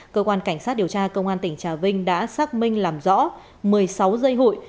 cơ quan cảnh sát điều tra công an tỉnh trà vinh đã xác minh làm rõ một mươi sáu dây hụi